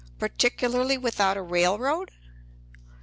Particularly without a railroad?"